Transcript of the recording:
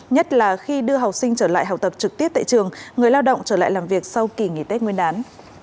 nhất là khi đưa học sinh trở lại học tập trực tiếp tại trường người lao động trở lại làm việc sau kỳ nghỉ tết nguyên đán